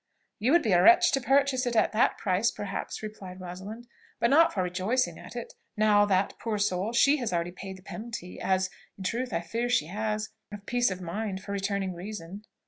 "You would be a wretch to purchase it at that price perhaps," replied Rosalind, "but not for rejoicing at it, now that, poor soul! she has already paid the penalty, as, in truth, I fear she has, of peace of mind for returning reason."